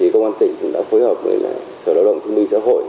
công an tỉnh đã phối hợp với sở đạo động thông minh xã hội